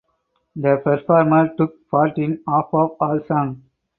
The performer took part in half of all songs.